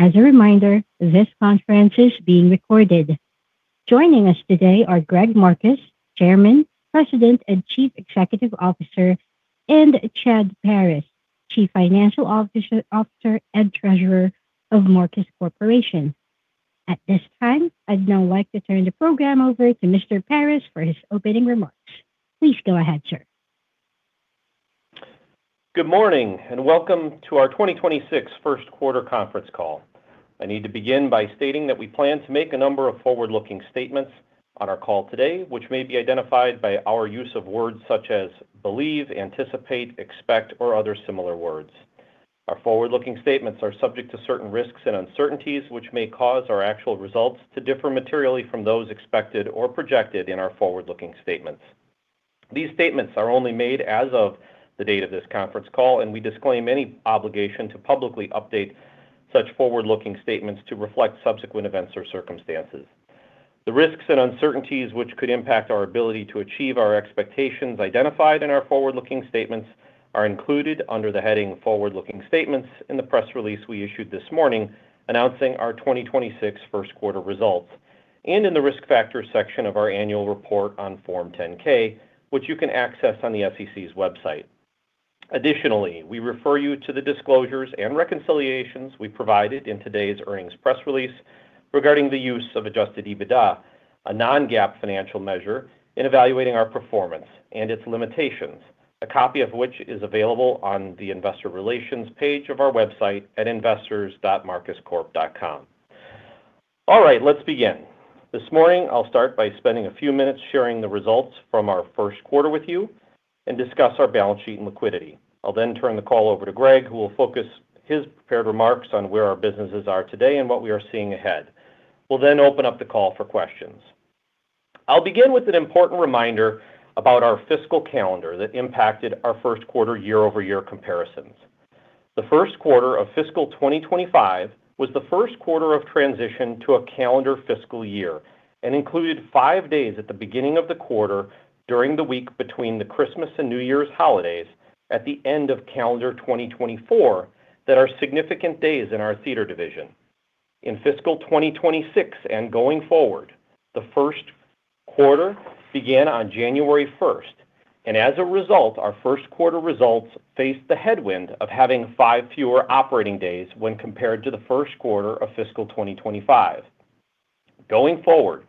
As a reminder, this conference is being recorded. Joining us today are Greg Marcus, Chairman, President, and Chief Executive Officer, and Chad Paris, Chief Financial Officer and Treasurer of Marcus Corporation. At this time, I'd now like to turn the program over to Mr. Paris for his opening remarks. Please go ahead, sir. Good morning, and welcome to our 2026 first quarter conference call. I need to begin by stating that we plan to make a number of forward-looking statements on our call today, which may be identified by our use of words such as believe, anticipate, expect, or other similar words. Our forward-looking statements are subject to certain risks and uncertainties, which may cause our actual results to differ materially from those expected or projected in our forward-looking statements. These statements are only made as of the date of this conference call, and we disclaim any obligation to publicly update such forward-looking statements to reflect subsequent events or circumstances. The risks and uncertainties which could impact our ability to achieve our expectations identified in our forward-looking statements are included under the heading Forward-Looking Statements in the press release we issued this morning announcing our 2026 first quarter results and in the Risk Factors section of our Annual Report on Form 10-K, which you can access on the SEC's website. Additionally, we refer you to the disclosures and reconciliations we provided in today's earnings press release regarding the use of Adjusted EBITDA, a non-GAAP financial measure in evaluating our performance and its limitations, a copy of which is available on the investor relations page of our website at investors.marcuscorp.com. All right, let's begin. This morning, I'll start by spending a few minutes sharing the results from our first quarter with you and discuss our balance sheet and liquidity. I'll then turn the call over to Greg, who will focus his prepared remarks on where our businesses are today and what we are seeing ahead. We'll then open up the call for questions. I'll begin with an important reminder about our fiscal calendar that impacted our first quarter year-over-year comparisons. The first quarter of fiscal 2025 was the first quarter of transition to a calendar fiscal year and included five days at the beginning of the quarter during the week between the Christmas and New Year's holidays at the end of calendar 2024 that are significant days in our theater division. In fiscal 2026 and going forward, the first quarter began on January 1st, and as a result, our first quarter results faced the headwind of having five fewer operating days when compared to the first quarter of fiscal 2025. Going forward,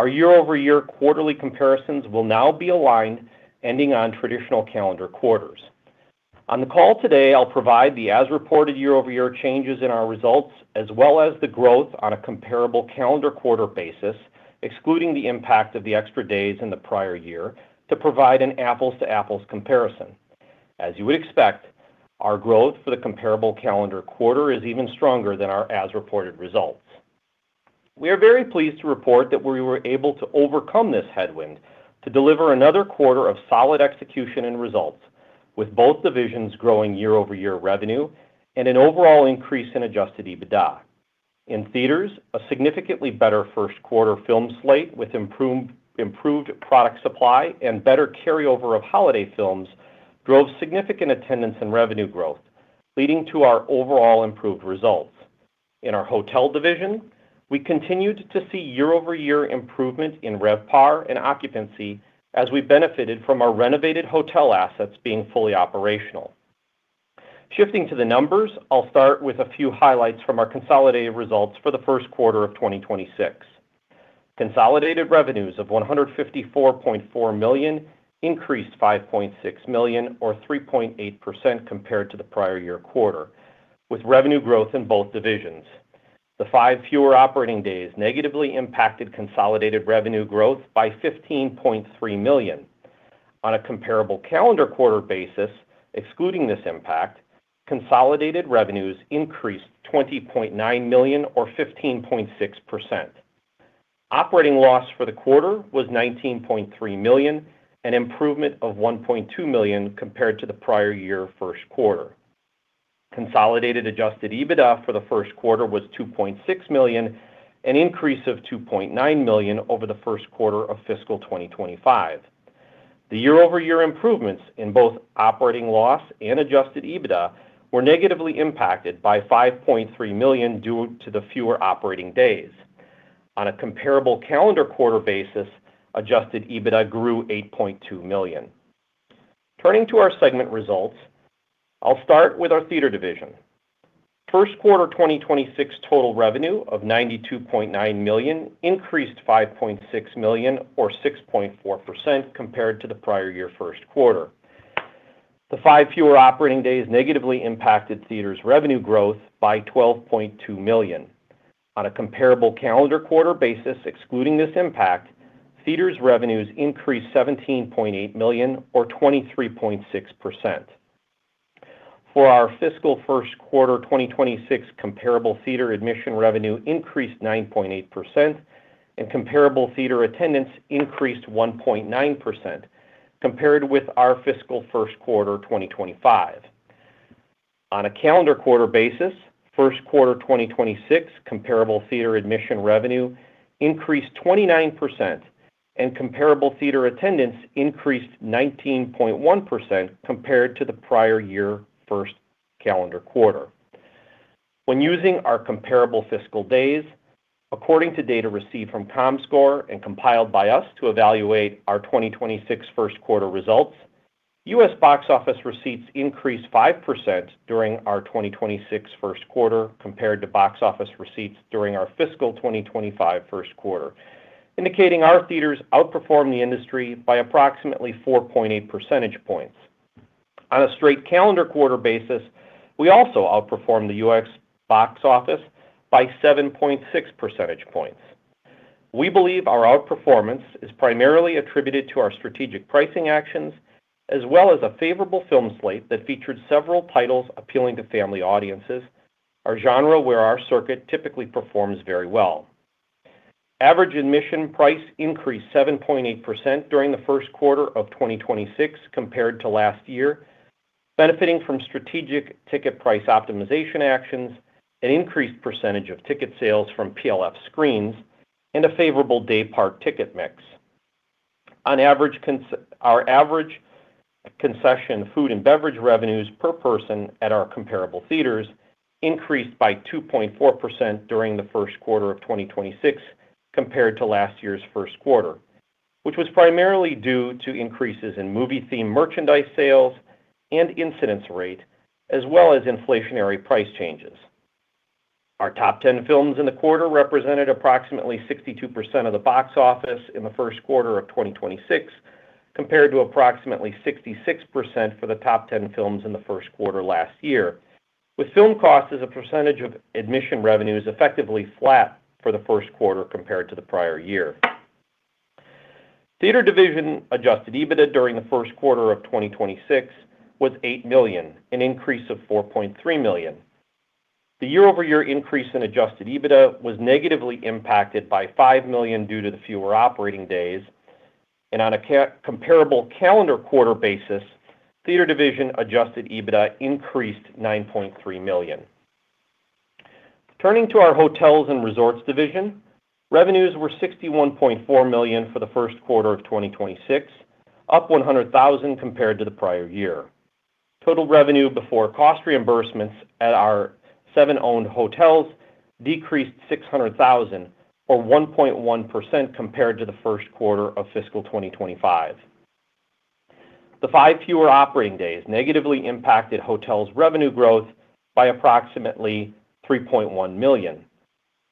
our year-over-year quarterly comparisons will now be aligned ending on traditional calendar quarters. On the call today, I'll provide the as-reported year-over-year changes in our results, as well as the growth on a comparable calendar quarter basis, excluding the impact of the extra days in the prior year to provide an apples-to-apples comparison. As you would expect, our growth for the comparable calendar quarter is even stronger than our as-reported results. We are very pleased to report that we were able to overcome this headwind to deliver another quarter of solid execution and results with both divisions growing year-over-year revenue and an overall increase in adjusted EBITDA. In theaters, a significantly better first quarter film slate with improved product supply and better carryover of holiday films drove significant attendance and revenue growth, leading to our overall improved results. In our hotel division, we continued to see year-over-year improvement in RevPAR and occupancy as we benefited from our renovated hotel assets being fully operational. Shifting to the numbers, I'll start with a few highlights from our consolidated results for the first quarter of 2026. Consolidated revenues of $154.4 million increased $5.6 million or 3.8% compared to the prior year quarter with revenue growth in both divisions. The five fewer operating days negatively impacted consolidated revenue growth by $15.3 million. On a comparable calendar quarter basis, excluding this impact, consolidated revenues increased $20.9 million or 15.6%. Operating loss for the quarter was $19.3 million, an improvement of $1.2 million compared to the prior year first quarter. Consolidated adjusted EBITDA for the first quarter was $2.6 million, an increase of $2.9 million over the first quarter of fiscal 2025. The year-over-year improvements in both operating loss and adjusted EBITDA were negatively impacted by $5.3 million due to the five fewer operating days. On a comparable calendar quarter basis, adjusted EBITDA grew $8.2 million. Turning to our segment results, I'll start with our theater division. First quarter 2026 total revenue of $92.9 million increased $5.6 million or 6.4% compared to the prior year first quarter. The five fewer operating days negatively impacted theater's revenue growth by $12.2 million. On a comparable calendar quarter basis, excluding this impact, theaters revenues increased $17.8 million or 23.6%. For our fiscal first quarter 2026, comparable theater admission revenue increased 9.8% and comparable theater attendance increased 1.9% compared with our fiscal first quarter 2025. On a calendar quarter basis, first quarter 2026 comparable theater admission revenue increased 29%. Comparable theater attendance increased 19.1% compared to the prior year first calendar quarter. When using our comparable fiscal days, according to data received from Comscore and compiled by us to evaluate our 2026 first quarter results, U.S. box office receipts increased 5% during our 2026 first quarter compared to box office receipts during our fiscal 2025 first quarter, indicating our theaters outperformed the industry by approximately 4.8 percentage points. On a straight calendar quarter basis, we also outperformed the U.S. box office by 7.6 percentage points. We believe our outperformance is primarily attributed to our strategic pricing actions as well as a favorable film slate that featured several titles appealing to family audiences, our genre where our circuit typically performs very well. Average admission price increased 7.8% during the first quarter of 2026 compared to last year, benefiting from strategic ticket price optimization actions, an increased percentage of ticket sales from PLF screens, and a favorable day part ticket mix. On average our average concession food and beverage revenues per person at our comparable theaters increased by 2.4% during the first quarter of 2026 compared to last year's first quarter, which was primarily due to increases in movie-themed merchandise sales and incidence rate, as well as inflationary price changes. Our top 10 films in the quarter represented approximately 62% of the box office in the first quarter of 2026, compared to approximately 66% for the top 10 films in the first quarter last year, with film cost as a percentage of admission revenues effectively flat for the first quarter compared to the prior year. Theater division adjusted EBITDA during the first quarter of 2026 was $8 million, an increase of $4.3 million. The year-over-year increase in adjusted EBITDA was negatively impacted by $5 million due to the fewer operating days, and on a comparable calendar quarter basis, theater division adjusted EBITDA increased $9.3 million. Turning to our hotels and resorts division, revenues were $61.4 million for the first quarter of 2026, up $100,000 compared to the prior year. Total revenue before cost reimbursements at our seven owned hotels decreased $600,000, or 1.1% compared to the first quarter of fiscal 2025. The five fewer operating days negatively impacted hotels revenue growth by approximately $3.1 million.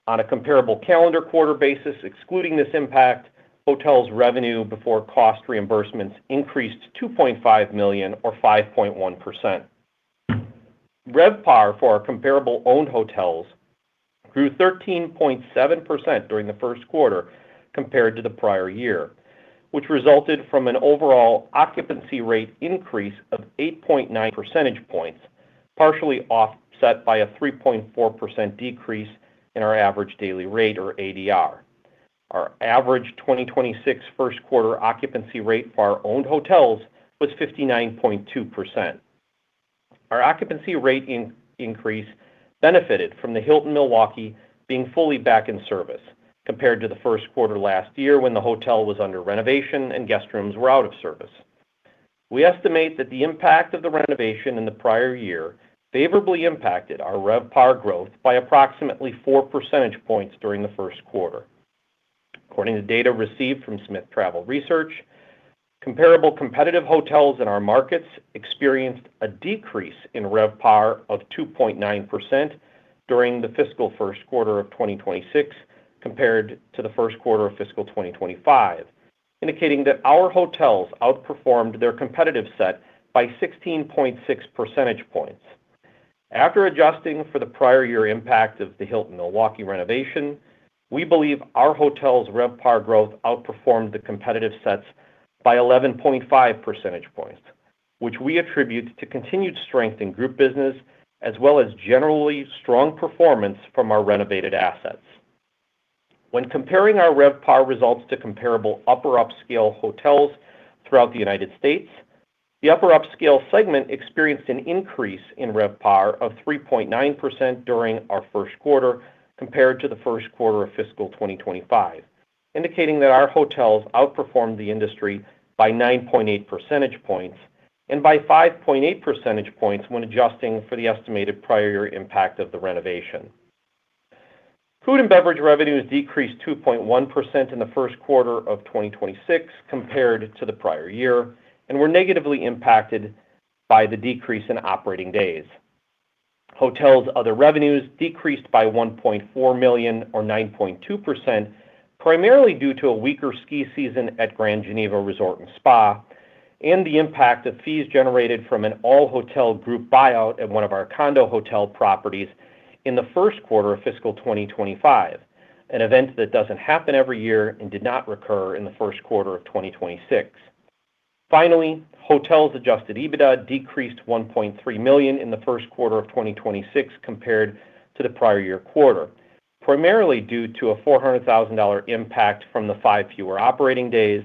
On a comparable calendar quarter basis, excluding this impact, hotels revenue before cost reimbursements increased $2.5 million or 5.1%. RevPAR for our comparable owned hotels grew 13.7% during the first quarter compared to the prior year, which resulted from an overall occupancy rate increase of 8.9 percentage points, partially offset by a 3.4% decrease in our average daily rate, or ADR. Our average 2026 first quarter occupancy rate for our owned hotels was 59.2%. Our occupancy rate increase benefited from the Hilton Milwaukee being fully back in service compared to the first quarter last year when the hotel was under renovation and guest rooms were out of service. We estimate that the impact of the renovation in the prior year favorably impacted our RevPAR growth by approximately 4 percentage points during the first quarter. According to data received from Smith Travel Research, comparable competitive hotels in our markets experienced a decrease in RevPAR of 2.9% during the fiscal first quarter of 2026 compared to the first quarter of fiscal 2025, indicating that our hotels outperformed their competitive set by 16.6 percentage points. After adjusting for the prior year impact of the Hilton Milwaukee renovation, we believe our hotel's RevPAR growth outperformed the competitive sets by 11.5 percentage points, which we attribute to continued strength in group business as well as generally strong performance from our renovated assets. When comparing our RevPAR results to comparable upper upscale hotels throughout the U.S., the upper upscale segment experienced an increase in RevPAR of 3.9% during our first quarter compared to the first quarter of fiscal 2025, indicating that our hotels outperformed the industry by 9.8 percentage points and by 5.8 percentage points when adjusting for the estimated prior year impact of the renovation. Food and beverage revenues decreased 2.1% in the first quarter of 2026 compared to the prior year and were negatively impacted by the decrease in operating days. Hotels other revenues decreased by $1.4 million or 9.2%, primarily due to a weaker ski season at Grand Geneva Resort & Spa and the impact of fees generated from an all-hotel group buyout at one of our condo hotel properties in the first quarter of fiscal 2025, an event that doesn't happen every year and did not recur in the first quarter of 2026. Hotels adjusted EBITDA decreased $1.3 million in the first quarter of 2026 compared to the prior year quarter, primarily due to a $400,000 impact from the five fewer operating days,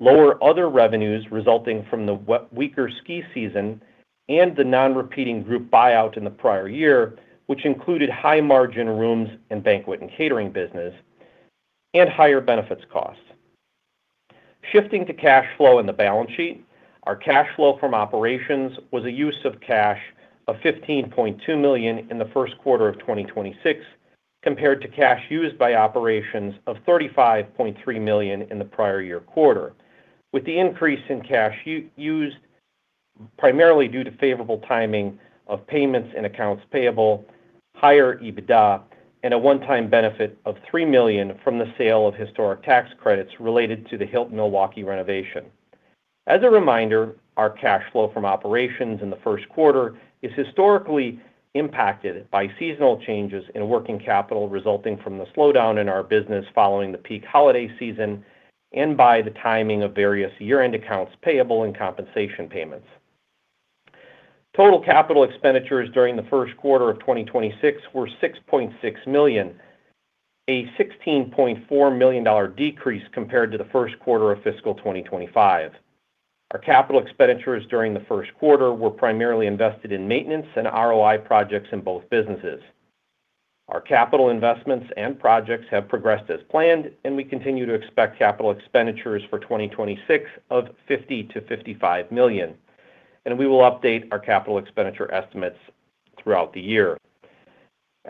lower other revenues resulting from the weaker ski season and the non-repeating group buyout in the prior year, which included high margin rooms and banquet and catering business and higher benefits costs. Shifting to cash flow in the balance sheet, our cash flow from operations was a use of cash of $15.2 million in the first quarter of 2026 compared to cash used by operations of $35.3 million in the prior year quarter, with the increase in cash used primarily due to favorable timing of payments and accounts payable, higher EBITDA, and a one-time benefit of $3 million from the sale of historic tax credits related to the Hilton Milwaukee renovation. As a reminder, our cash flow from operations in the first quarter is historically impacted by seasonal changes in working capital resulting from the slowdown in our business following the peak holiday season and by the timing of various year-end accounts payable and compensation payments. Total capital expenditures during the first quarter of 2026 were $6.6 million, a $16.4 million dollar decrease compared to the first quarter of fiscal 2025. Our capital expenditures during the first quarter were primarily invested in maintenance and ROI projects in both businesses. Our capital investments and projects have progressed as planned, and we continue to expect capital expenditures for 2026 of $50 million-$55 million, and we will update our capital expenditure estimates throughout the year.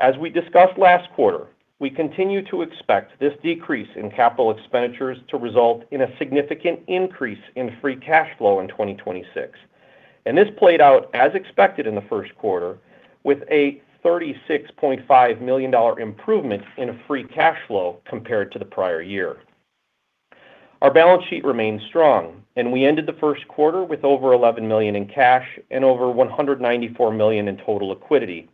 As we discussed last quarter, we continue to expect this decrease in capital expenditures to result in a significant increase in free cash flow in 2026, and this played out as expected in the first quarter with a $36.5 million dollar improvement in a free cash flow compared to the prior year. Our balance sheet remains strong, and we ended the first quarter with over $11 million in cash and over $194 million in total liquidity,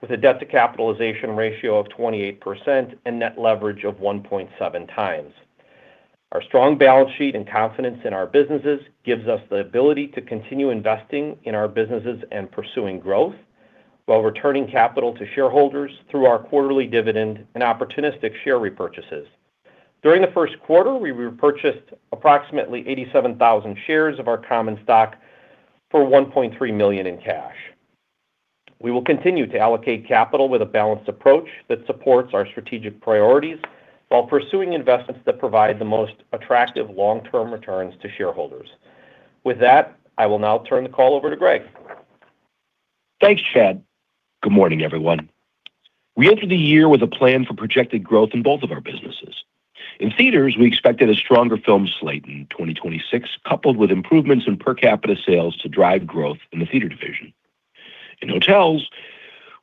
with a debt to capitalization ratio of 28% and net leverage of 1.7x. Our strong balance sheet and confidence in our businesses gives us the ability to continue investing in our businesses and pursuing growth while returning capital to shareholders through our quarterly dividend and opportunistic share repurchases. During the first quarter, we repurchased approximately 87,000 shares of our common stock for $1.3 million in cash. We will continue to allocate capital with a balanced approach that supports our strategic priorities while pursuing investments that provide the most attractive long-term returns to shareholders. With that, I will now turn the call over to Greg. Thanks, Chad. Good morning, everyone. We entered the year with a plan for projected growth in both of our businesses. In theaters, we expected a stronger film slate in 2026, coupled with improvements in per capita sales to drive growth in the theater division. In hotels,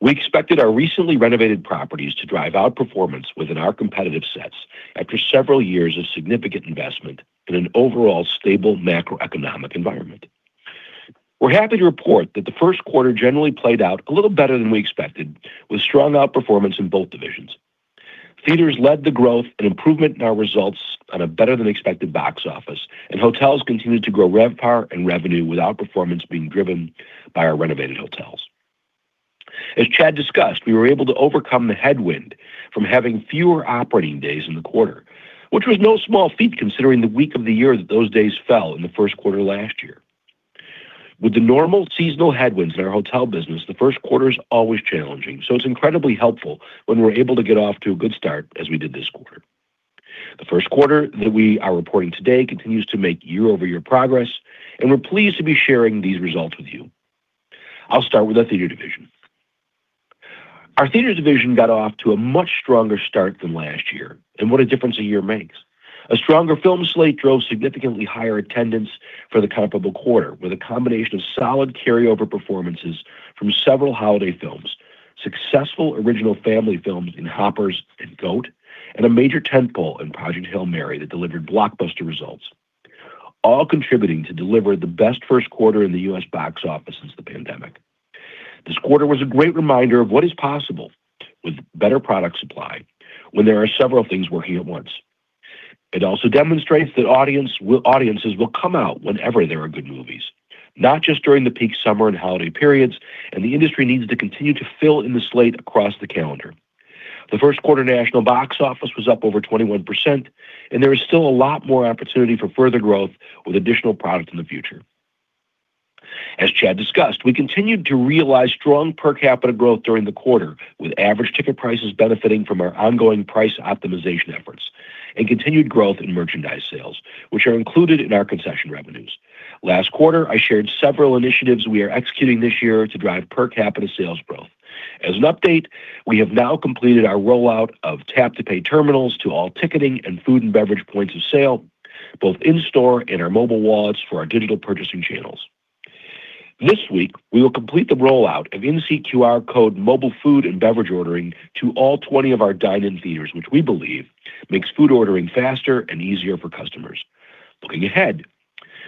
we expected our recently renovated properties to drive outperformance within our competitive sets after several years of significant investment in an overall stable macroeconomic environment. We're happy to report that the first quarter generally played out a little better than we expected with strong outperformance in both divisions. Theaters led the growth and improvement in our results on a better than expected box office. Hotels continued to grow RevPAR and revenue without outperformance being driven by our renovated hotels. As Chad discussed, we were able to overcome the headwind from having fewer operating days in the quarter, which was no small feat considering the week of the year that those days fell in the first quarter last year. With the normal seasonal headwinds in our hotel business, the first quarter is always challenging, so it's incredibly helpful when we're able to get off to a good start as we did this quarter. The first quarter that we are reporting today continues to make year-over-year progress. We're pleased to be sharing these results with you. I'll start with our theater division. Our theater division got off to a much stronger start than last year. What a difference a year makes. A stronger film slate drove significantly higher attendance for the comparable quarter with a combination of solid carryover performances from several holiday films, successful original family films in Hoppers and Goat, and a major tentpole in Project Hail Mary that delivered blockbuster results, all contributing to deliver the best first quarter in the U.S. box office since the pandemic. This quarter was a great reminder of what is possible with better product supply when there are several things working at once. It also demonstrates that audiences will come out whenever there are good movies, not just during the peak summer and holiday periods, and the industry needs to continue to fill in the slate across the calendar. The first quarter national box office was up over 21%, and there is still a lot more opportunity for further growth with additional product in the future. As Chad discussed, we continued to realize strong per capita growth during the quarter with average ticket prices benefiting from our ongoing price optimization efforts and continued growth in merchandise sales, which are included in our concession revenues. Last quarter, I shared several initiatives we are executing this year to drive per capita sales growth. As an update, we have now completed our rollout of tap-to-pay terminals to all ticketing and food and beverage points of sale, both in-store and our mobile wallets for our digital purchasing channels. This week, we will complete the rollout of in-seat QR code mobile food and beverage ordering to all 20 of our dine-in theaters, which we believe makes food ordering faster and easier for customers. Looking ahead,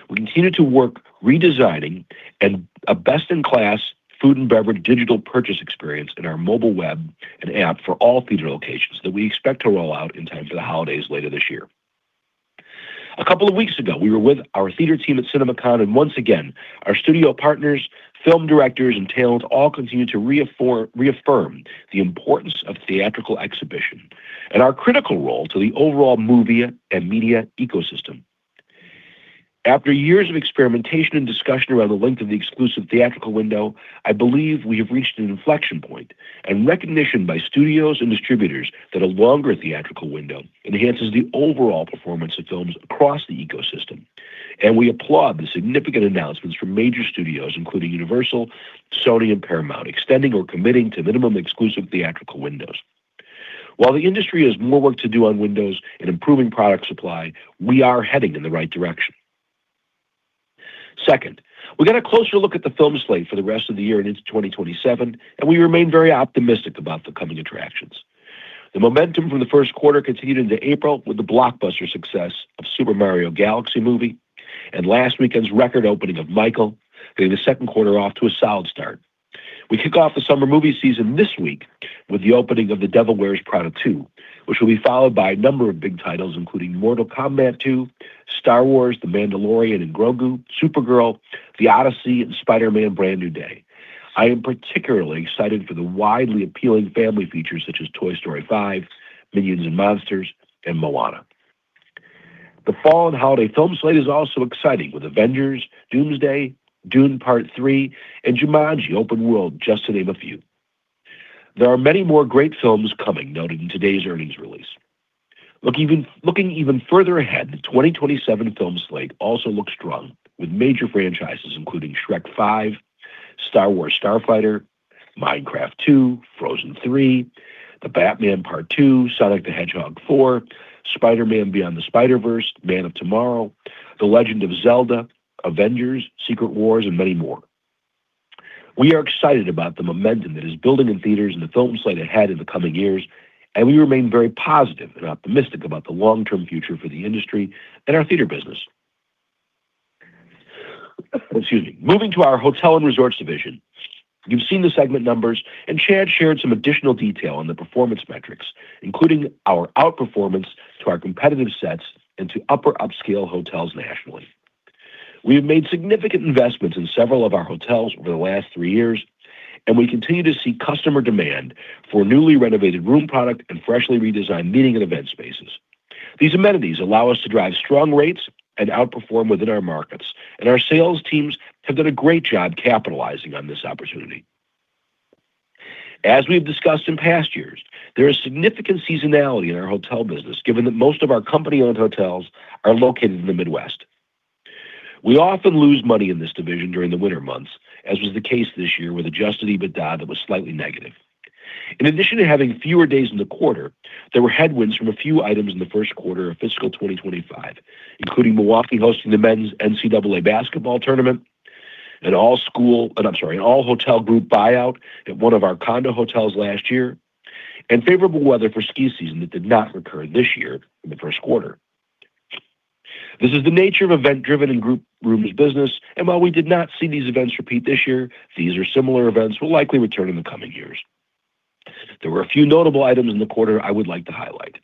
we continue to work redesigning and a best-in-class food and beverage digital purchase experience in our mobile web and app for all theater locations that we expect to roll out in time for the holidays later this year. A couple of weeks ago, we were with our theater team at CinemaCon, and once again, our studio partners, film directors, and talent all continued to reaffirm the importance of theatrical exhibition and our critical role to the overall movie and media ecosystem. After years of experimentation and discussion around the length of the exclusive theatrical window, I believe we have reached an inflection point and recognition by studios and distributors that a longer theatrical window enhances the overall performance of films across the ecosystem. We applaud the significant announcements from major studios, including Universal, Sony, and Paramount, extending or committing to minimum exclusive theatrical windows. While the industry has more work to do on windows and improving product supply, we are heading in the right direction. Second, we got a closer look at the film slate for the rest of the year and into 2027. We remain very optimistic about the coming attractions. The momentum from the first quarter continued into April with the blockbuster success of The Super Mario Bros. Movie and last weekend's record opening of Michael, getting the second quarter off to a solid start. We kick off the summer movie season this week with the opening of The Devil Wears Prada 2, which will be followed by a number of big titles, including Mortal Kombat II, Star Wars, The Mandalorian & Grogu, Supergirl, The Odyssey, and Spider-Man: Brand New Day. I am particularly excited for the widely appealing family features such as Toy Story 5, Minions & Monsters, and Moana. The fall and holiday film slate is also exciting with Avengers: Doomsday, Dune: Part 3, and Jumanji: Open World, just to name a few. There are many more great films coming noted in today's earnings release. Looking even further ahead, the 2027 film slate also looks strong with major franchises including Shrek 5, Star Wars: Starfighter, Minecraft 2, Frozen 3, The Batman Part II, Sonic the Hedgehog 4, Spider-Man: Beyond the Spider-Verse, Man of Tomorrow, The Legend of Zelda, Avengers: Secret Wars, and many more. We are excited about the momentum that is building in theaters and the film slate ahead in the coming years. We remain very positive and optimistic about the long-term future for the industry and our theater business. Excuse me. Moving to our hotel and resorts division. You've seen the segment numbers. Chad shared some additional detail on the performance metrics, including our outperformance to our competitive sets and to upper upscale hotels nationally. We have made significant investments in several of our hotels over the last three years, and we continue to see customer demand for newly renovated room product and freshly redesigned meeting and event spaces. These amenities allow us to drive strong rates and outperform within our markets, and our sales teams have done a great job capitalizing on this opportunity. As we've discussed in past years, there is significant seasonality in our hotel business, given that most of our company-owned hotels are located in the Midwest. We often lose money in this division during the winter months, as was the case this year with adjusted EBITDA that was slightly negative. In addition to having fewer days in the quarter, there were headwinds from a few items in the first quarter of fiscal 2025, including Milwaukee hosting the men's NCAA basketball tournament, an all hotel group buyout at one of our condo hotels last year, and favorable weather for ski season that did not recur this year in the first quarter. This is the nature of event-driven and group rooms business. While we did not see these events repeat this year, these or similar events will likely return in the coming years. There were a few notable items in the quarter I would like to highlight.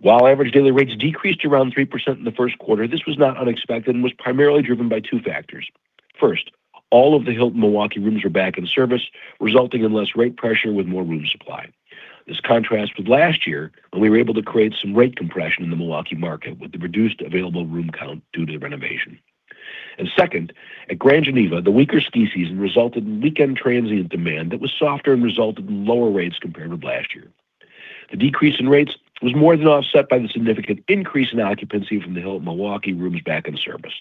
While average daily rates decreased around 3% in the first quarter, this was not unexpected and was primarily driven by two factors. First, all of the Hilton Milwaukee rooms are back in service, resulting in less rate pressure with more room supply. This contrasts with last year when we were able to create some rate compression in the Milwaukee market with the reduced available room count due to the renovation. Second, at Grand Geneva, the weaker ski season resulted in weekend transient demand that was softer and resulted in lower rates compared with last year. The decrease in rates was more than offset by the significant increase in occupancy from the Hilton Milwaukee rooms back in service,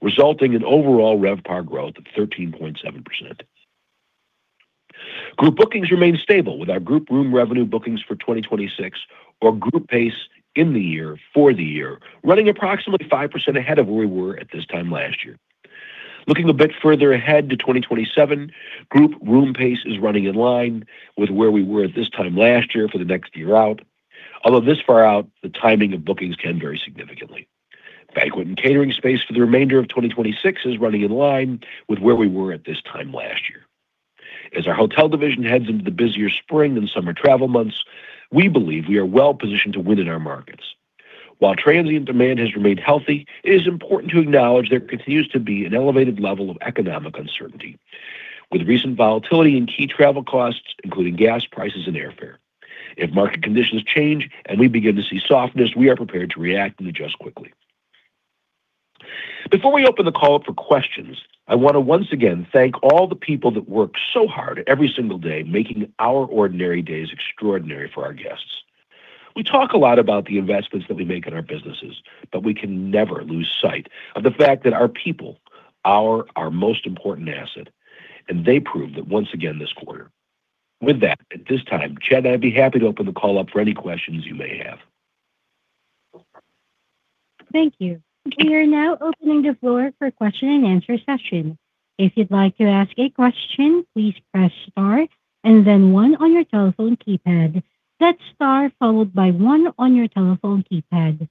resulting in overall RevPAR growth of 13.7%. Group bookings remain stable with our group room revenue bookings for 2026 or group pace in the year for the year running approximately 5% ahead of where we were at this time last year. Looking a bit further ahead to 2027, group room pace is running in line with where we were at this time last year for the next year out. Although this far out, the timing of bookings can vary significantly. Banquet and catering space for the remainder of 2026 is running in line with where we were at this time last year. As our hotel division heads into the busier spring and summer travel months, we believe we are well positioned to win in our markets. While transient demand has remained healthy, it is important to acknowledge there continues to be an elevated level of economic uncertainty with recent volatility in key travel costs, including gas prices and airfare. If market conditions change and we begin to see softness, we are prepared to react and adjust quickly. Before we open the call up for questions, I want to once again thank all the people that work so hard every single day making our ordinary days extraordinary for our guests. We talk a lot about the investments that we make in our businesses, but we can never lose sight of the fact that our people are our most important asset, and they prove that once again this quarter. With that, at this time, Chad, I'd be happy to open the call up for any questions you may have. Thank you. We are now opening the floor for question and answer session. If you'd like to ask a question, please press star and then one on your telephone keypad. That's star followed by one on your telephone keypad.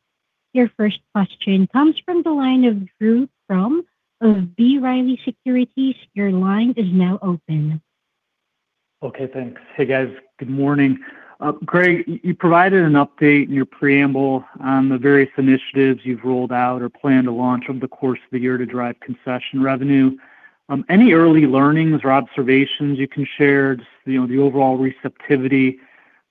Your first question comes from the line of Drew Crum of B. Riley Securities. Your line is now open. Okay, thanks. Hey, guys. Good morning. Greg, you provided an update in your preamble on the various initiatives you've rolled out or plan to launch over the course of the year to drive concession revenue. Any early learnings or observations you can share, just, you know, the overall receptivity?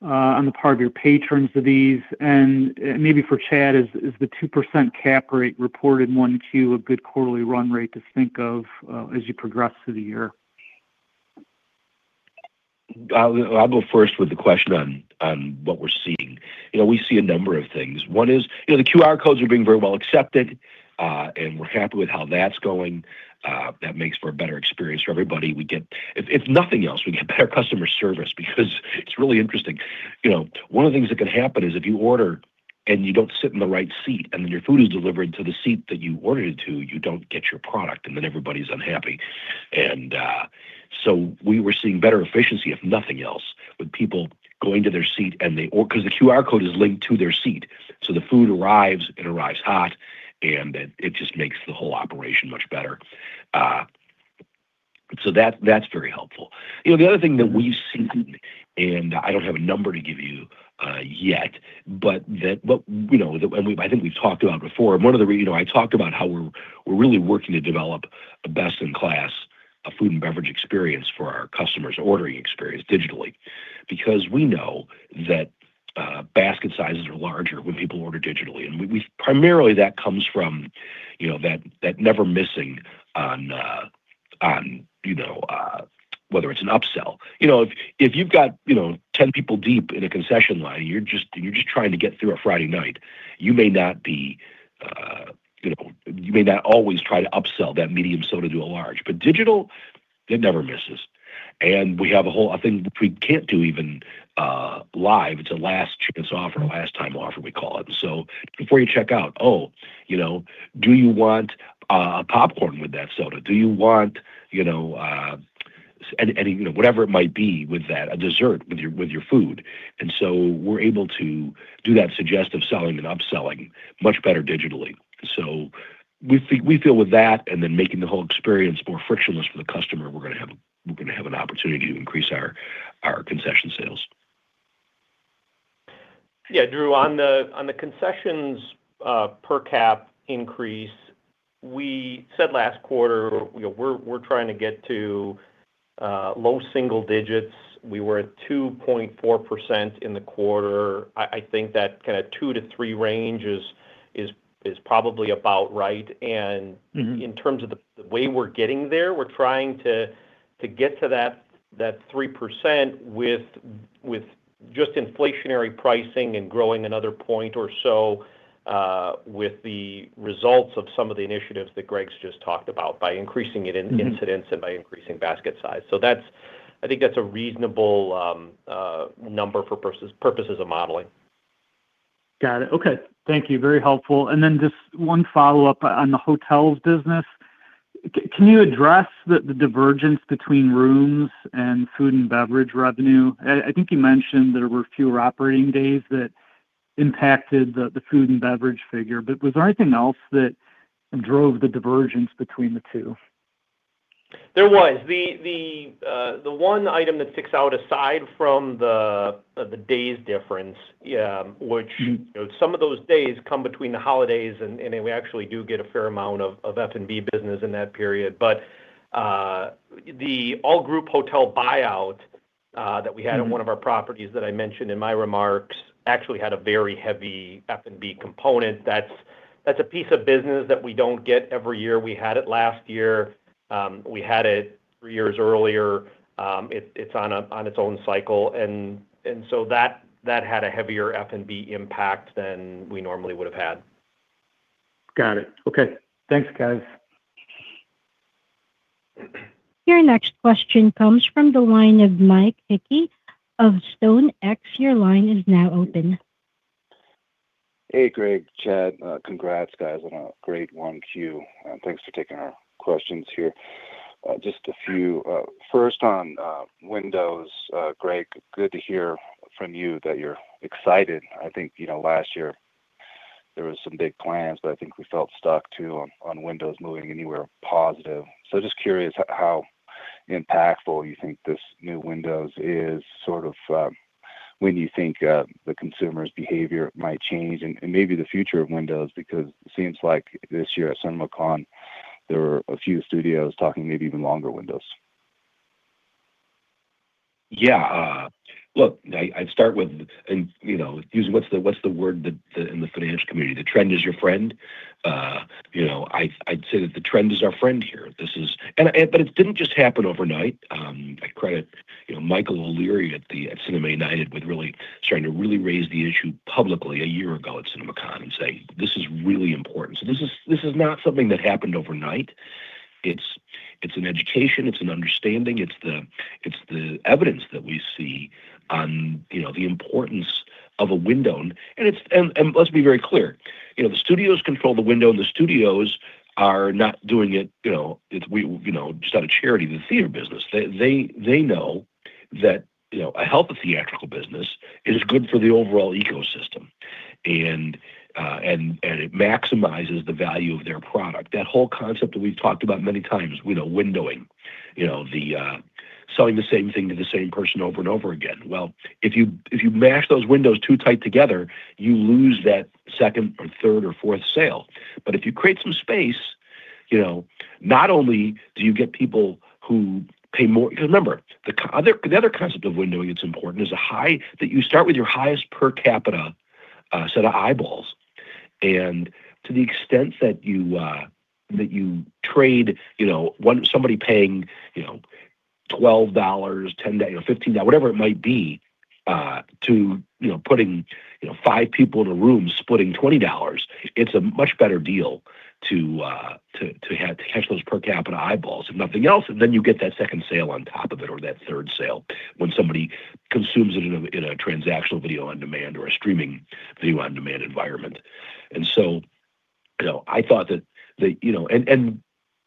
On the part of your patrons of these, and maybe for Chad, is the 2% cap rate reported in 1Q a good quarterly run rate to think of as you progress through the year? I'll go first with the question on what we're seeing. You know, we see a number of things. One is, you know, the QR codes are being very well accepted, we're happy with how that's going. That makes for a better experience for everybody. If nothing else, we get better customer service because it's really interesting. You know, one of the things that can happen is if you order and you don't sit in the right seat, your food is delivered to the seat that you ordered it to, you don't get your product, everybody's unhappy. We were seeing better efficiency, if nothing else, with people going to their seat because the QR code is linked to their seat. The food arrives, it arrives hot, and it just makes the whole operation much better. That's very helpful. You know, the other thing that we've seen, and I don't have a number to give you yet, but we know that, I think we've talked about before, and one of the, you know, I talked about how we're really working to develop a best-in-class food and beverage experience for our customers, ordering experience digitally. Because we know that basket sizes are larger when people order digitally. We primarily, that comes from, you know, that never missing on, you know, whether it's an upsell. You know, if you've got, you know, 10 people deep in a concession line, you're just trying to get through a Friday night. You may not be, you know. You may not always try to upsell that medium soda to a large. Digital, it never misses. We have a thing we can't do even live. It's a last chance offer, last time offer we call it. Before you check out, "Oh, you know, do you want popcorn with that soda? Do you want, you know, whatever it might be with that." A dessert with your food. We're able to do that suggestive selling and upselling much better digitally. We feel with that and then making the whole experience more frictionless for the customer, we're gonna have an opportunity to increase our concession sales. Yeah, Drew, on the concessions, per cap increase, we said last quarter, you know, we're trying to get to low single digits. We were at 2.4% in the quarter. I think that kinda 2-3 range is probably about right. Mm-hmm In terms of the way we're getting there, we're trying to get to that 3% with just inflationary pricing and growing another one point or so with the results of some of the initiatives that Greg's just talked about, by increasing it in incidence. Mm-hmm By increasing basket size. I think that's a reasonable number for purposes of modeling. Got it. Okay. Thank you. Very helpful. Then just one follow-up on the hotels business. Can you address the divergence between rooms and food and beverage revenue? I think you mentioned there were fewer operating days that impacted the food and beverage figure, was there anything else that drove the divergence between the two? There was. The one item that sticks out aside from the days difference. Mm-hmm You know, some of those days come between the holidays, and we actually do get a fair amount of F&B business in that period. The all-group hotel buyout that we had. Mm-hmm On one of our properties that I mentioned in my remarks actually had a very heavy F&B component. That's a piece of business that we don't get every year. We had it last year. We had it three years earlier. It's on its own cycle, and so that had a heavier F&B impact than we normally would have had. Got it. Okay. Thanks, guys. Your next question comes from the line of Mike Hickey of StoneX. Your line is now open. Hey, Greg, Chad. Congrats, guys, on a great 1Q, thanks for taking our questions here. Just a few. First on windows, Greg, good to hear from you that you're excited. I think, you know, last year there was some big plans, I think we felt stuck too on windows moving anywhere positive. Just curious how impactful you think this new windows is, sort of, when you think the consumer's behavior might change and maybe the future of windows because it seems like this year at CinemaCon, there were a few studios talking maybe even longer windows. Yeah. Look, I'd start with, you know, what's the word that in the finance community? The trend is your friend. You know, I'd say that the trend is our friend here. It didn't just happen overnight. I credit, you know, Michael O'Leary at Cinema United with really starting to really raise the issue publicly a year ago at CinemaCon and say, "This is really important." This is not something that happened overnight. It's an education, it's an understanding, it's the evidence that we see on, you know, the importance of a window. Let's be very clear, you know, the studios control the window, the studios are not doing it, you know, we, you know, it's not a charity, the theater business. They know that, you know, a health of theatrical business is good for the overall ecosystem. It maximizes the value of their product. That whole concept that we've talked about many times, you know, windowing. You know, selling the same thing to the same person over and over again. Well, if you mash those windows too tight together, you lose that second or third or fourth sale. If you create some space. You know, not only do you get people who pay more because remember, the other concept of windowing that's important is a high that you start with your highest per capita set of eyeballs. To the extent that you, that you trade, you know, somebody paying, you know, $12, whatever it might be, to, you know, putting, you know, five people in a room splitting $20, it's a much better deal to catch those per capita eyeballs, if nothing else. Then you get that second sale on top of it or that third sale when somebody consumes it in a, in a transactional video on demand or a streaming video on demand environment.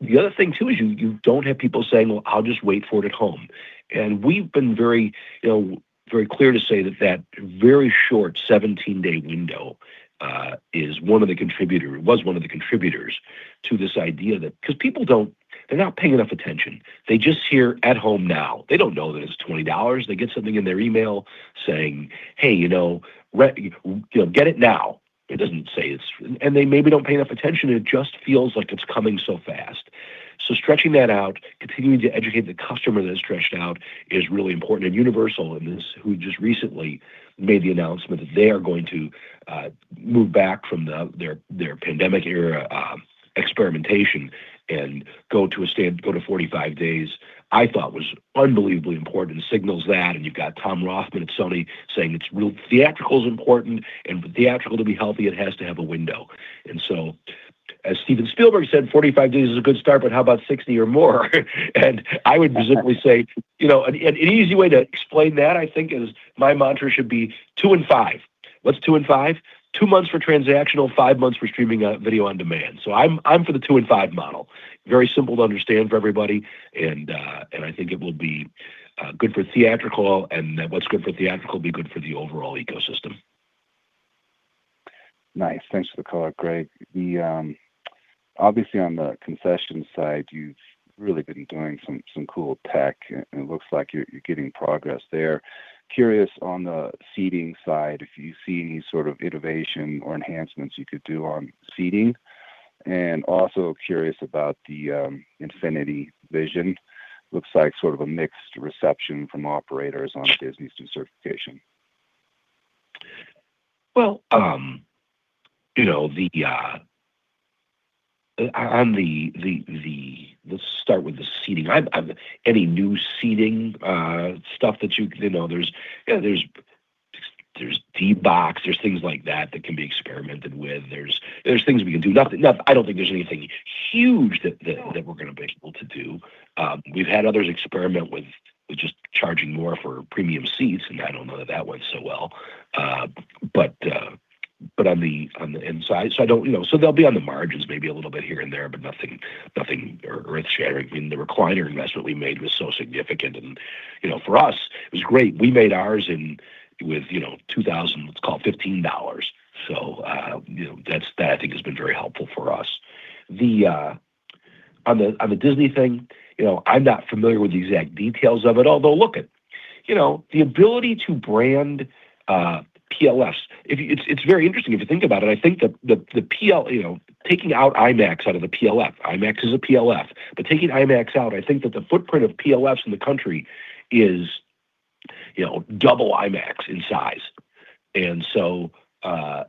The other thing too is you don't have people saying, "Well, I'll just wait for it at home." We've been very, you know, very clear to say that that very short 17-day window was one of the contributors to this idea that. People don't, they're not paying enough attention. They just hear at home now. They don't know that it's $20. They get something in their email saying, "Hey, you know, get it now." It doesn't say it's. They maybe don't pay enough attention, and it just feels like it's coming so fast. Stretching that out, continuing to educate the customer that it's stretched out is really important. Universal in this, who just recently made the announcement that they are going to move back from their pandemic era experimentation and go to a standard, go to 45 days, I thought was unbelievably important and signals that. You've got Tom Rothman at Sony saying it's real, theatrical's important, and for theatrical to be healthy, it has to have a window. As Steven Spielberg said, 45 days is a good start, but how about 60 or more? I would presumably say, you know, an easy way to explain that, I think, is my mantra should be two and five. What's two and five? Two months for transactional, five months for streaming, video on demand. I'm for the two and five model. Very simple to understand for everybody. I think it will be good for theatrical. What's good for theatrical will be good for the overall ecosystem. Nice. Thanks for the color, Greg. Obviously on the concession side, you've really been doing some cool tech, and it looks like you're getting progress there. Curious on the seating side if you see any sort of innovation or enhancements you could do on seating. Also curious about the Infinity vision. Looks like sort of a mixed reception from operators on Disney's decertification. You know, on the, let's start with the seating. Any new seating stuff that you? You know, there's D-BOX, there's things like that that can be experimented with. There's things we can do. I don't think there's anything huge that we're gonna be able to do. We've had others experiment with just charging more for premium seats, I don't know that that went so well, but on the inside. I don't, you know, they'll be on the margins maybe a little bit here and there, but nothing earth-shattering. I mean, the recliner investment we made was so significant, you know, for us it was great. We made ours with, you know, $2,015. You know, that's, that I think has been very helpful for us. The, on the, on the Disney thing, you know, I'm not familiar with the exact details of it. Although look it, you know, the ability to brand PLFs, it's very interesting if you think about it. I think that the, you know, taking out IMAX out of the PLF, IMAX is a PLF, but taking IMAX out, I think that the footprint of PLFs in the country is, you know, double IMAX in size.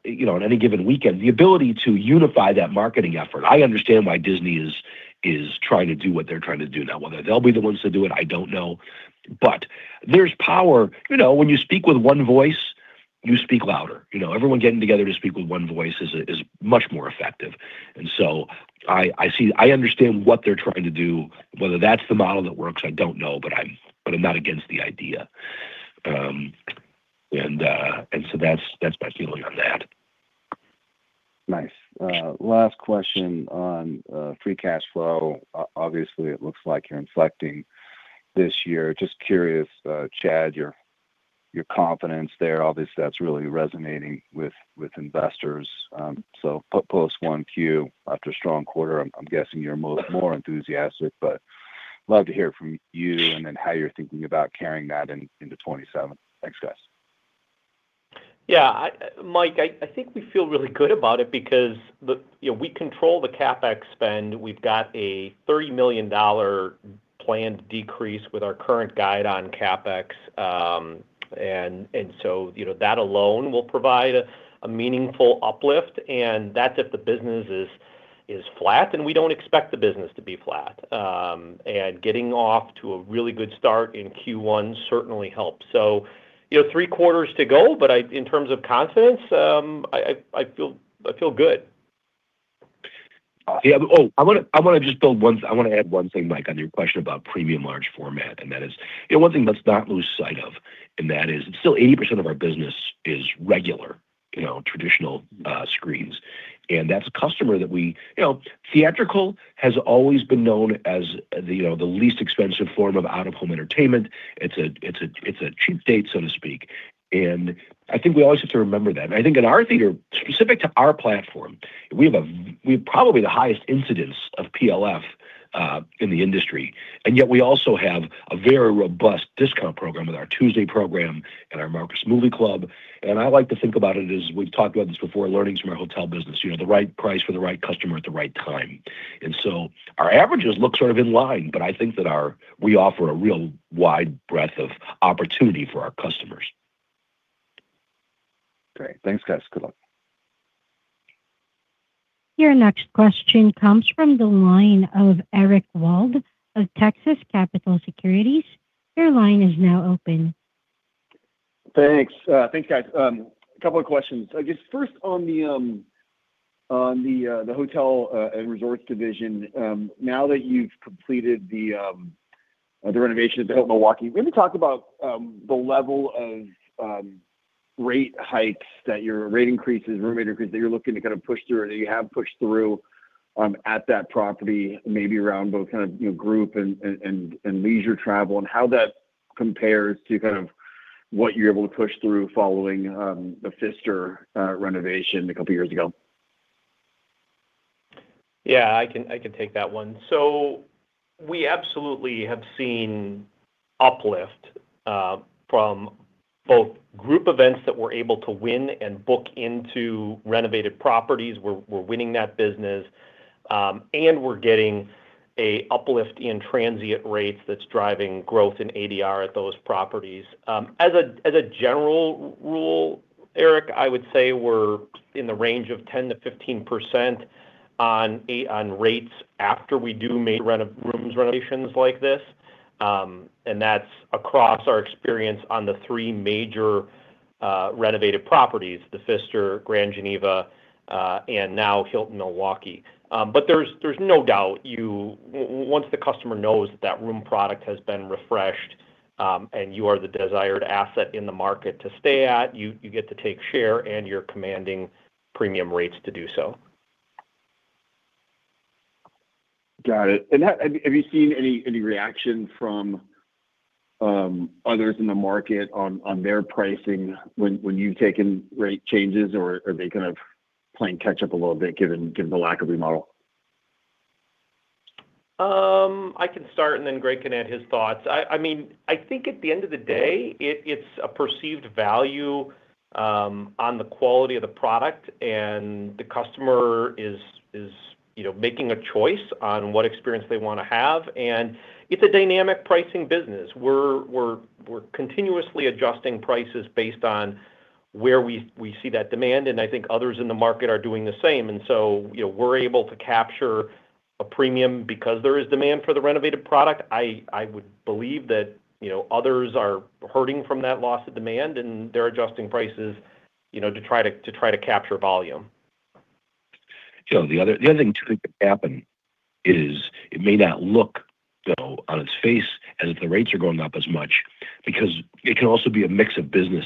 You know, on any given weekend, the ability to unify that marketing effort, I understand why Disney is trying to do what they're trying to do now. Whether they'll be the ones to do it, I don't know, but there's power. You know, when you speak with one voice, you speak louder. You know, everyone getting together to speak with one voice is much more effective. I understand what they're trying to do. Whether that's the model that works, I don't know, but I'm not against the idea. That's my feeling on that. Nice. Last question on free cash flow. Obviously it looks like you're inflecting this year. Just curious, Chad, your confidence there. Obviously that's really resonating with investors. Post 1Q after a strong quarter, I'm guessing you're more enthusiastic, but love to hear from you and then how you're thinking about carrying that into 2027. Thanks, guys. Yeah, I, Mike, I think we feel really good about it because, you know, we control the CapEx spend. We've got a $30 million planned decrease with our current guide on CapEx. You know, that alone will provide a meaningful uplift, and that's if the business is flat, and we don't expect the business to be flat. Getting off to a really good start in Q1 certainly helps. You know, three quarters to go, but I, in terms of confidence, I feel good. Yeah. I wanna add one thing, Mike, on your question about premium large format. That is, you know, one thing let's not lose sight of, that is still 80% of our business is regular, you know, traditional screens. You know, theatrical has always been known as the, you know, the least expensive form of out-of-home entertainment. It's a cheap date, so to speak, I think we always have to remember that. I think in our theater, specific to our platform, we have probably the highest incidence of PLF in the industry. Yet we also have a very robust discount program with our Tuesday program and our Marcus Movie Club. I like to think about it as we've talked about this before, learnings from our hotel business. You know, the right price for the right customer at the right time. Our averages look sort of in line, but I think that we offer a real wide breadth of opportunity for our customers. Great. Thanks, guys. Good luck. Your next question comes from the line of Eric Wold of Texas Capital Securities. Your line is now open. Thanks. Thanks, guys. A couple of questions. I guess first on the the hotel and resorts division, now that you've completed the the renovation of the Hilton Milwaukee, maybe talk about the level of rate hikes that your rate increases, room rate increases that you're looking to kind of push through or that you have pushed through at that property, maybe around both kind of, you know, group and leisure travel and how that compares to kind of what you're able to push through following the Pfister renovation a couple years ago. Yeah, I can take that one. We absolutely have seen uplift, from both group events that we're able to win and book into renovated properties. We're winning that business, and we're getting a uplift in transient rates that's driving growth in ADR at those properties. As a general rule, Eric, I would say we're in the range of 10%-15% on rates after we do major rooms renovations like this. And that's across our experience on the three major renovated properties, the Pfister, Grand Geneva, and now Hilton Milwaukee. There's no doubt once the customer knows that that room product has been refreshed, and you are the desired asset in the market to stay at, you get to take share, and you're commanding premium rates to do so. Got it. Have you seen any reaction from others in the market on their pricing when you've taken rate changes, or are they kind of playing catch up a little bit given the lack of remodel? I can start and then Greg can add his thoughts. I mean, I think at the end of the day, it's a perceived value on the quality of the product, and the customer is, you know, making a choice on what experience they wanna have. It's a dynamic pricing business. We're continuously adjusting prices based on where we see that demand, and I think others in the market are doing the same. You know, we're able to capture a premium because there is demand for the renovated product. I would believe that, you know, others are hurting from that loss of demand, and they're adjusting prices, you know, to try to capture volume. Joe, the other thing too that could happen is it may not look though on its face as if the rates are going up as much because it can also be a mix of business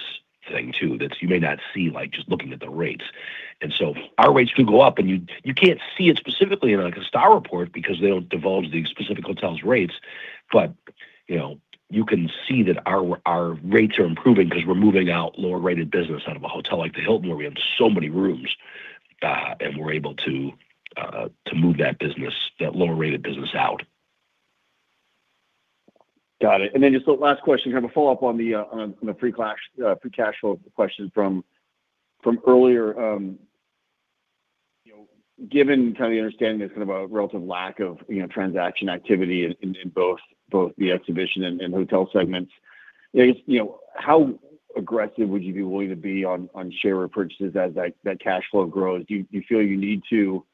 thing too, that you may not see, like, just looking at the rates. Our rates could go up, and you can't see it specifically in like a STR report because they don't divulge the specific hotel's rates. You know, you can see that our rates are improving because we're moving out lower rated business out of a hotel like the Hilton, where we have so many rooms, and we're able to move that business, that lower rated business out. Got it. Just a last question, kind of a follow-up on the free cash flow question from earlier. You know, given kind of the understanding there's kind of a relative lack of, you know, transaction activity in both the exhibition and hotel segments, I guess, you know, how aggressive would you be willing to be on share repurchases as that cash flow grows? Do you feel you need to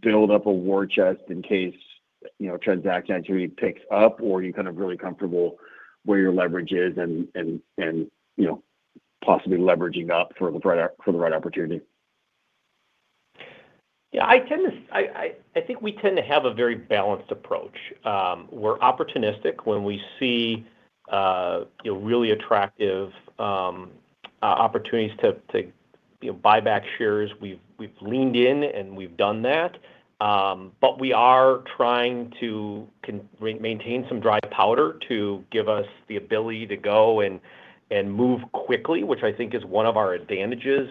build up a war chest in case, you know, transaction activity picks up, or are you kind of really comfortable where your leverage is and, you know, possibly leveraging up for the right opportunity? Yeah, I think we tend to have a very balanced approach. We're opportunistic when we see, you know, really attractive opportunities to, you know, buy back shares. We've leaned in, and we've done that. We are trying to maintain some dry powder to give us the ability to go and move quickly, which I think is one of our advantages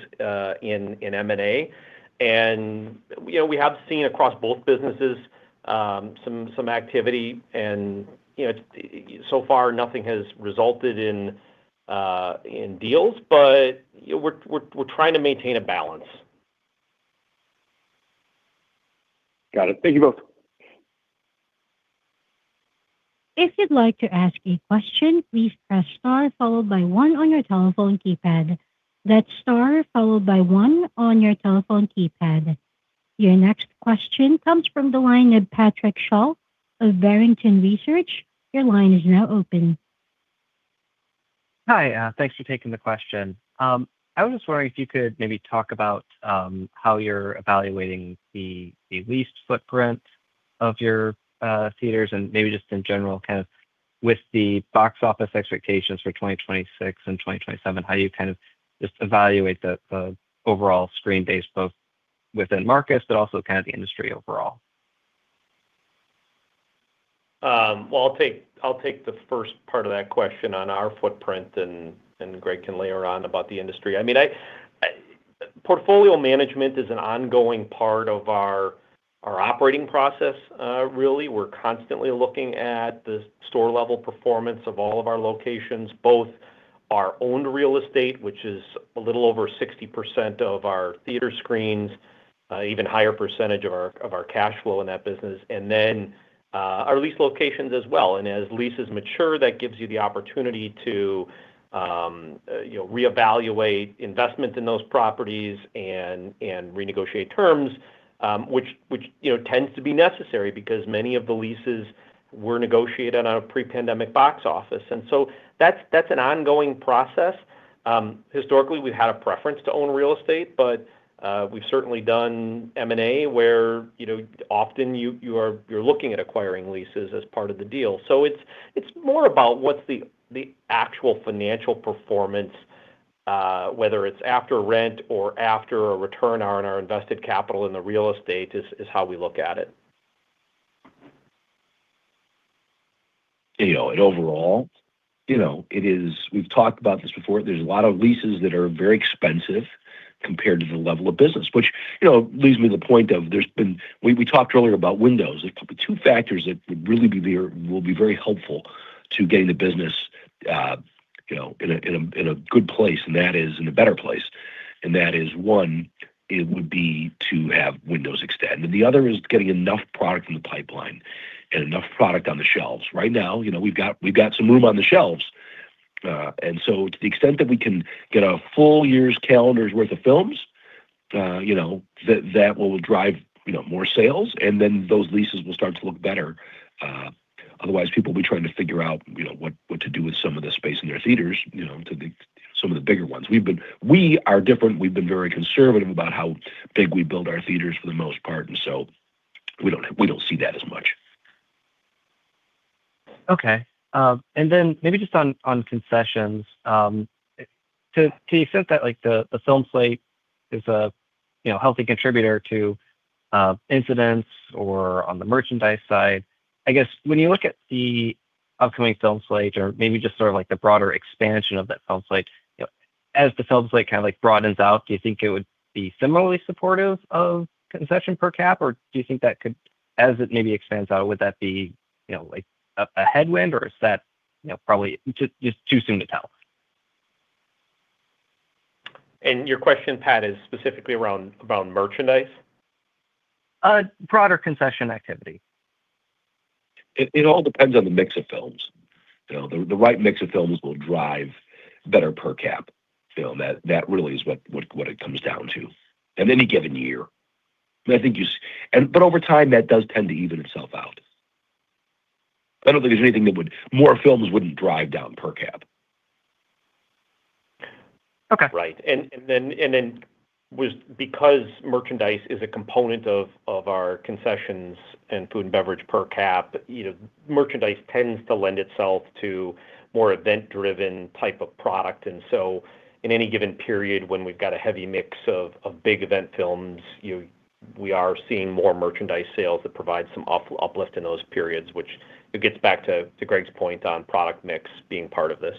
in M&A. You know, we have seen across both businesses some activity and, you know, so far nothing has resulted in deals, you know, we're trying to maintain a balance. Got it. Thank you both. Your next question comes from the line of Patrick Shull of Barrington Research. Your line is now open. Hi. Thanks for taking the question. I was just wondering if you could maybe talk about how you're evaluating the lease footprint of your theaters and maybe just in general kind of with the box office expectations for 2026 and 2027, how you kind of just evaluate the overall screen base both within Marcus but also kind of the industry overall. Well, I'll take the first part of that question on our footprint and Greg can layer on about the industry. I mean, I portfolio management is an ongoing part of our operating process. Really, we're constantly looking at the store-level performance of all of our locations, both our owned real estate, which is a little over 60% of our theater screens, even higher percentage of our cash flow in that business, and then our leased locations as well. As leases mature, that gives you the opportunity to, you know, reevaluate investment in those properties and renegotiate terms, which, you know, tends to be necessary because many of the leases were negotiated on a pre-pandemic box office. That's an ongoing process. Historically, we've had a preference to own real estate, but we've certainly done M&A where, you know, often you're looking at acquiring leases as part of the deal. It's more about what's the actual financial performance, whether it's after rent or after a return on our invested capital in the real estate, how we look at it. You know, overall, you know, it is. We've talked about this before. There's a lot of leases that are very expensive compared to the level of business, which, you know, leads me to the point of... We talked earlier about windows. There's probably two factors that will be very helpful to getting the business, you know, in a good place, and that is in a better place, and that is, one, it would be to have windows extend. The other is getting enough product in the pipeline and enough product on the shelves. Right now, you know, we've got some room on the shelves. To the extent that we can get a full year's calendar's worth of films, you know, that will drive, you know, more sales, and then those leases will start to look better. Otherwise, people will be trying to figure out, you know, what to do with some of the space in their theaters, you know, to some of the bigger ones. We are different. We've been very conservative about how big we build our theaters for the most part, we don't see that as much. Okay. Maybe just on concessions, to the extent that, like, the film slate is a, you know, healthy contributor to incidents or on the merchandise side, I guess when you look at the upcoming film slate or maybe just sort of like the broader expansion of that film slate, you know, as the film slate kind of like broadens out, do you think it would be similarly supportive of concession per cap? Do you think that could, as it maybe expands out, would that be, you know, like a headwind or is that, you know, probably just too soon to tell? Your question, Patrick, is specifically around, about merchandise? Broader concession activity. It all depends on the mix of films. You know, the right mix of films will drive better per cap film. That really is what it comes down to in any given year. I think over time, that does tend to even itself out. I don't think there's anything that would more films wouldn't drive down per cap. Okay. Right. Because merchandise is a component of our concessions and food and beverage per cap, you know, merchandise tends to lend itself to more event-driven type of product. In any given period when we've got a heavy mix of big event films, we are seeing more merchandise sales that provide some uplift in those periods, which it gets back to Greg's point on product mix being part of this.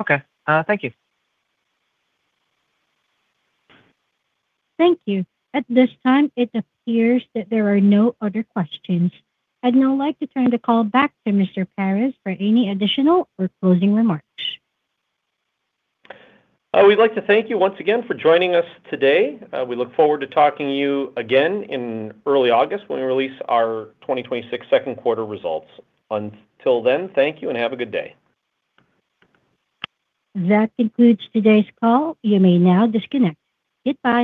Okay. Thank you. Thank you. At this time, it appears that there are no other questions. I'd now like to turn the call back to Mr. Paris for any additional or closing remarks. We'd like to thank you once again for joining us today. We look forward to talking to you again in early August when we release our 2026 second quarter results. Until then, thank you and have a good day. That concludes today's call. You may now disconnect. Goodbye.